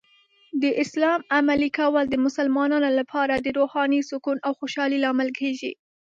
د اسلام عملي کول د مسلمانانو لپاره د روحاني سکون او خوشحالۍ لامل کیږي.